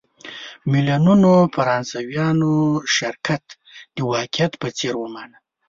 میلیونونو فرانسویانو شرکت د واقعیت په څېر ومانه.